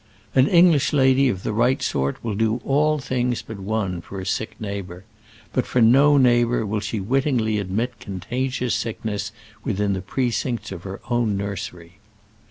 An English lady of the right sort will do all things but one for a sick neighbour; but for no neighbour will she wittingly admit contagious sickness within the precincts of her own nursery.